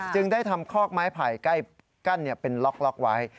จึงได้ทำคอกไม้ไผ่ใกล้กั้นเป็นล็อกไว้